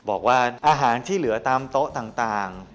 บอกว่าอาหารที่เหลือตามโต๊ะต่าง